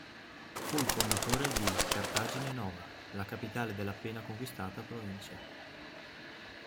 Fu il fondatore di Cartagine Nova, la capitale della appena conquistata provincia.